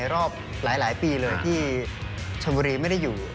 ก็คือคุณอันนบสิงต์โตทองนะครับ